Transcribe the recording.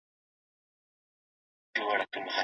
انستیزي ډاکټر کله اړین وي؟